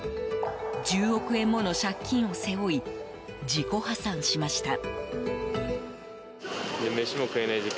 １０億円もの借金を背負い自己破産しました。